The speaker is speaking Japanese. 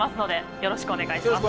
よろしくお願いします。